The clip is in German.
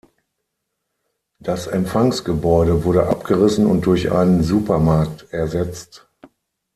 Das Empfangsgebäude wurde abgerissen und durch einen Supermarkt ersetzt.